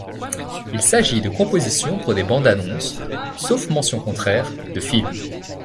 Il s’agit de compositions pour des bandes-annonces, sauf mention contraire, de films.